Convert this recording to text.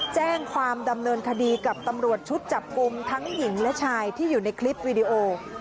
แจ้งความดำเนินคดีกับตำรวจชุดจับกลุ่มทั้งหญิงและชายที่อยู่ในคลิปวีดีโอ